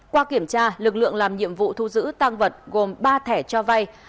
qua kiểm tra lực lượng làm nhiệm vụ thu giữ tăng vật gồm ba thẻ cho vay